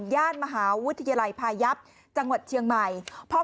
ย่านมหาวิทยาลัยพายับจังหวัดเชียงใหม่